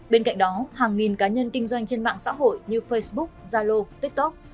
bên cạnh đó hàng nghìn cá nhân kinh doanh trên mạng xã hội như facebook zalo tiktok